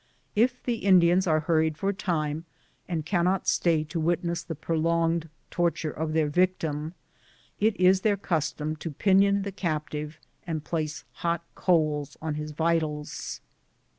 If the Indians are hurried for time, and cannot stay to wit^ ness the prolonged torture of their victim, it is their custom to pinion the captive and place hot coals on his vitals.